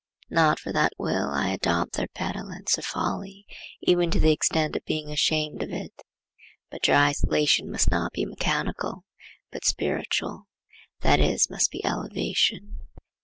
Not for that will I adopt their petulance or folly, even to the extent of being ashamed of it. But your isolation must not be mechanical, but spiritual, that is, must be elevation.